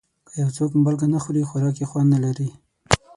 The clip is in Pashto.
که یو څوک مالګه نه خوري، خوراک یې خوند نه لري.